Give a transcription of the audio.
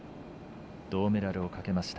銅メダルをかけました